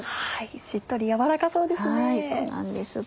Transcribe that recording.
しっとり軟らかそうですね。